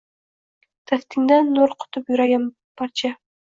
Taftingdan nur qutib yuragim parcha